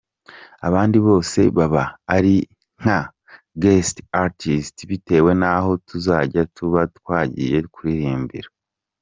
Abandi bose baba ari nka “Guests Artists” bitewe n’aho tuzajya tuba twagiye kuririmbira.